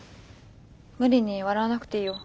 無理に笑わなくていいよ。